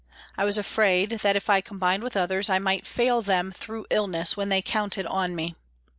I was afraid that, if I combined with others, I might fail them, through illness, when they counted on me.